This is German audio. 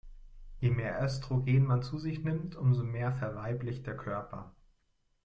Je mehr Östrogen man zu sich nimmt, umso mehr verweiblicht der Körper.